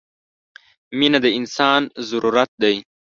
• مینه د انسان ضرورت دی.